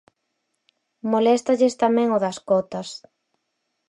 Moléstalles tamén o das cotas.